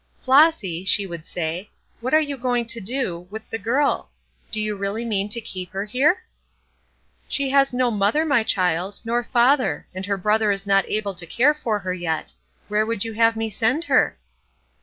"Flossy," she would say, "what are you going to do with the girl? Do you really mean to keep her here?" "She has no mother, my child, nor father; and her brother is not able to care for her yet. Where would you have me send her?"